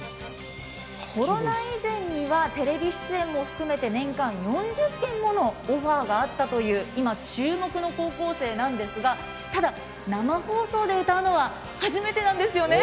コロナ以前にはテレビ出演も含めて年間４０件ものオファーがあったという今、注目の高校生なんですがただ、生放送で歌うのは初めてなんですよね。